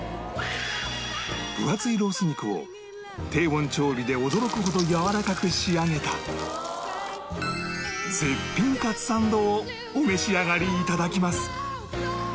分厚いロース肉を低温調理で驚くほどやわらかく仕上げた絶品かつサンドをお召し上がり頂きます